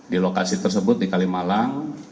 di lokasi tersebut di kalimalang